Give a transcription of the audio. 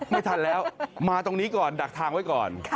ไม่ทันแล้วมาตรงนี้ก่อนดักทางไว้ก่อน